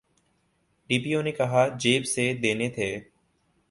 D P O نے کہاں جیب سے دینے تھے۔